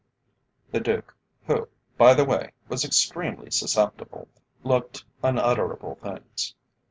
The Duke, who by the way, was extremely susceptible, looked unutterable things.